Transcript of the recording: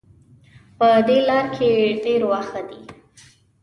په دې لاره کې ډېر واښه دي